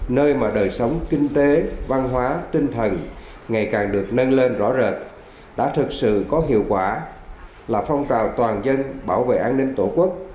nơi mà đời sống kinh tế văn hóa tinh thần ngày càng được nâng lên rõ rệt đã thực sự có hiệu quả là phong trào toàn dân bảo vệ an ninh tổ quốc